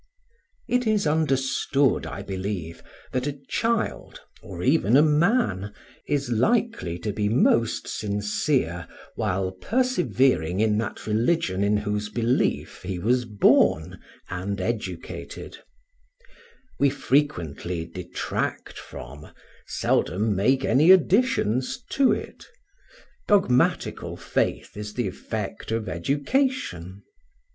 It is understood, I believe, that a child, or even a man, is likely to be most sincere while persevering in that religion in whose belief he was born and educated; we frequently detract from, seldom make any additions to it: dogmatical faith is the effect of education.